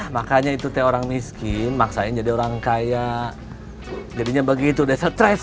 makanya itu teh orang miskin maksain jadi orang kaya jadinya begitu udah surprise